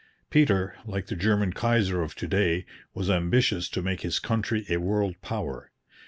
Peter, like the German Kaiser of to day, was ambitious to make his country a world power.